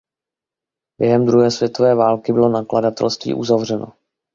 Během druhé světové války bylo nakladatelství uzavřeno.